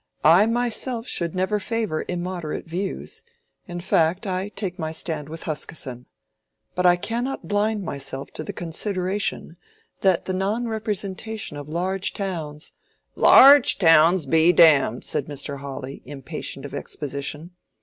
"I myself should never favor immoderate views—in fact I take my stand with Huskisson—but I cannot blind myself to the consideration that the non representation of large towns—" "Large towns be damned!" said Mr. Hawley, impatient of exposition.